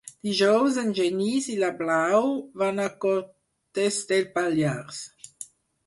Dijous en Genís i na Blau van a Cortes de Pallars.